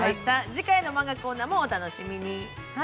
次回のマンガコーナーもお楽しみに。